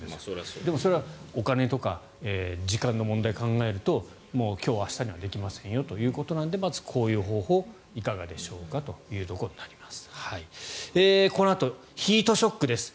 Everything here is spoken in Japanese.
でも、それはお金とか時間の問題を考えると今日、明日にはできませんということなのでまずこういう方法いかがでしょうかということになります。